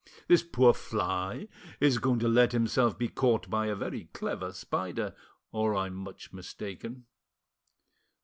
This poor fly is going to let himself be caught by a very clever spider, or I'm much mistaken.